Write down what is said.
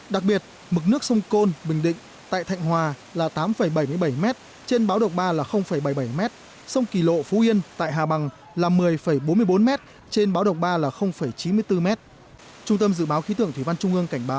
đặc biệt mực nước sông côn bình định tại thạnh hòa là tám bảy mươi bảy m trên báo động ba là bảy mươi bảy m sông kỳ lộ phú yên tại hà bằng